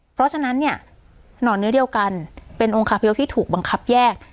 เพราะฉะนั้นเนี่ยหนอนเนื้อเดียวกันเป็นองคาพยพที่ถูกบังคับแยก